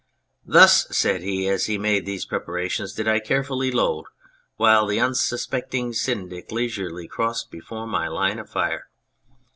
"Thus," said he as he made these preparations, " did I carefully load while the unsuspecting Syndic leisurely crossed before my line of fire."